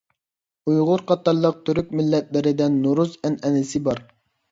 ئۇيغۇر قاتارلىق تۈرك مىللەتلىرىدە نورۇز ئەنئەنىسى بار.